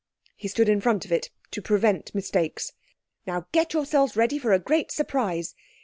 He stood in front of it to prevent mistakes. "Now get yourselves ready for a great surprise.